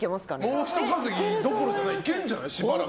もうひと稼ぎどころじゃないいけるんじゃない？